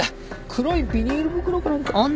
黒いビニール袋か何か。